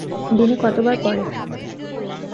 দিনে কতবার পড়েন?